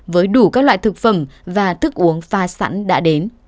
với đủ các loại thực phẩm và thức uống pha sẵn đã đến